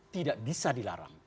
tidak bisa dilarang